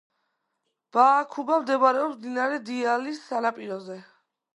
ბააქუბა მდებარეობს მდინარე დიიალის სანაპიროზე.